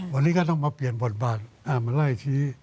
วันนี้ก็ต้องมาเปลี่ยนบทบาทมาไล่ชี้